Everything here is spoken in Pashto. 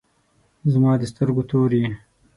زما د سترګو تور یی